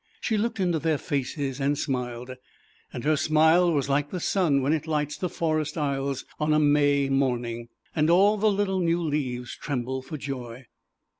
She looke into their faces and smiled, and her smile .^flKk UJJ0I was like the sun when it lights the forest aisles on a May morning, and all the little new leaves tremble for joy.